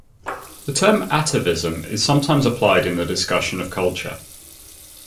The term "atavism" is sometimes also applied in the discussion of culture.